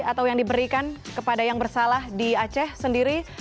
atau yang diberikan kepada yang bersalah di aceh sendiri